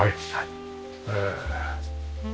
へえ。